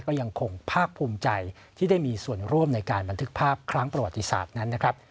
ก็ยังคงภาคภูมิใจที่ได้มีส่วนร่วมในการบันทึกภาพครั้งประวัติศาสตร์นั้นนะครับ